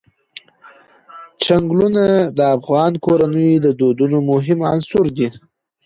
چنګلونه د افغان کورنیو د دودونو مهم عنصر دی.